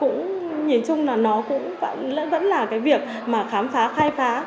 cũng nhìn chung là nó cũng vẫn là cái việc mà khám phá khai phá